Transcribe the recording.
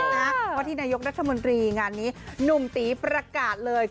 เพราะที่นายกรัฐมนตรีงานนี้หนุ่มตีประกาศเลย